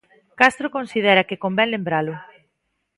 Castro considera que convén lembralo.